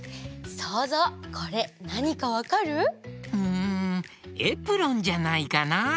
そうぞうこれなにかわかる？んエプロンじゃないかな？